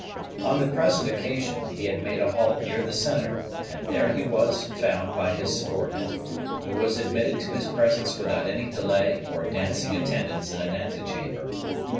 On the present occasion, he had made a halt near the centre; and there he was found by his subordinate, who was admitted to his presence without any delay or dancing attendance in an ante chamber.